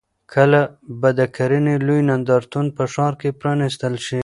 کله به د کرنې لوی نندارتون په ښار کې پرانیستل شي؟